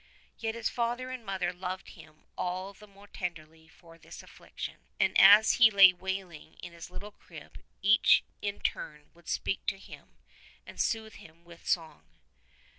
Yet his father and mother loved him all the more tenderly for this affliction, and as he lay wailing in his little crib each in turn would speak to him and soothe him with song.